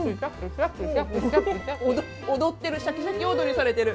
踊ってる、シャキシャキ踊りされてる。